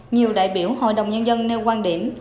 nhiều đại biểu hội đồng nhân dân nêu quan điểm